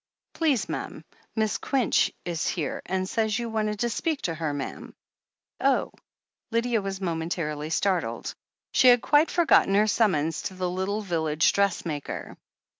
"Please, ma'am. Miss Quinch is here, and says you wanted to speak to her, ma'am." "Oh!" Lydia was momentarily startled. She had quite forgotten her summons to the little village dress maker.